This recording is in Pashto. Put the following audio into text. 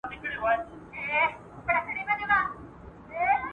ايا سن سيمون فرانسوی و؟